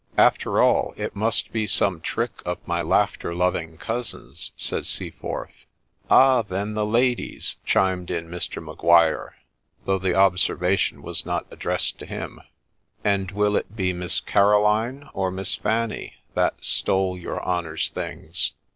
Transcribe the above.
' After all, it must be some trick of my laughter loving cousins, said Seaforth. ' Ah ! then, the ladies !' chimed in Mr. Maguire, though the observation was not addressed to him ;' and will it be Miss Caroline, or Miss Fanny, that's stole your honour's things